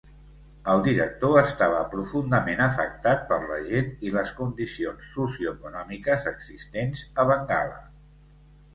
El director estava profundament afectat per la gent i les condicionis socioeconòmiques existents a Bengala.